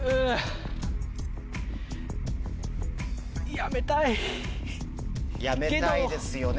やめたいですよね。